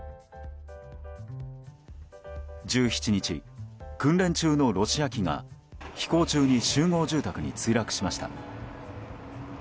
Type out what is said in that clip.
１７日、訓練中のロシア機が飛行中に集合住宅に墜落しました。